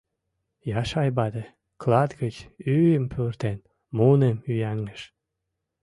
Яшай вате, клат гыч ӱйым пуртен, муным ӱяҥдыш...